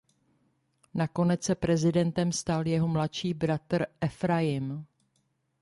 Nakonec se prezidentem stal jeho mladší bratr Efrajim.